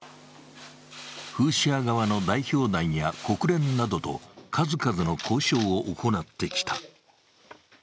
フーシ派側の代表団や国連などと数々の交渉を行ってきた。